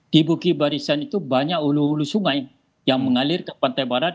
di buki barisan itu banyak ulu hulu sungai yang mengalir ke pantai barat